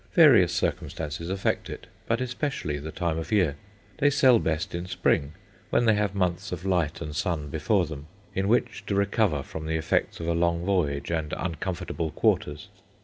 Various circumstances effect it, but especially the time of year. They sell best in spring, when they have months of light and sun before them, in which to recover from the effects of a long voyage and uncomfortable quarters.